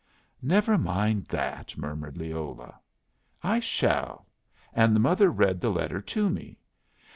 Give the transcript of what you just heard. "Never mind that," murmured Leola. "I shall." And the mother read the letter to me.